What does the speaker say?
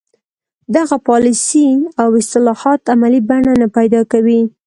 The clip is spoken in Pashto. دغه پالیسۍ او اصلاحات عملي بڼه نه پیدا کوي.